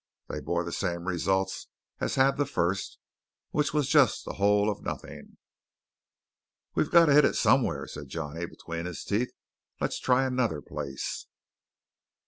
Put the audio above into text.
They bore the same results as had the first; which was just the whole of nothing. "We've got to hit it somewhere," said Johnny between his teeth. "Let's try another place."